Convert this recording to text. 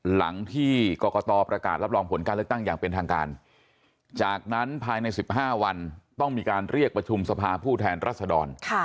หลังที่กรกตประกาศรับรองผลการเลือกตั้งอย่างเป็นทางการจากนั้นภายใน๑๕วันต้องมีการเรียกประชุมสภาผู้แทนรัศดร